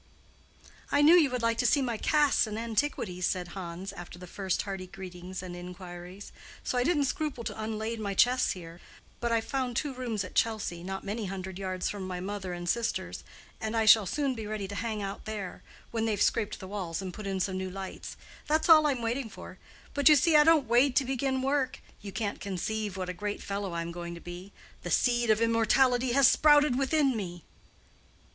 "I knew you would like to see my casts and antiquities," said Hans, after the first hearty greetings and inquiries, "so I didn't scruple to unlade my chests here. But I've found two rooms at Chelsea not many hundred yards from my mother and sisters, and I shall soon be ready to hang out there—when they've scraped the walls and put in some new lights. That's all I'm waiting for. But you see I don't wait to begin work: you can't conceive what a great fellow I'm going to be. The seed of immortality has sprouted within me."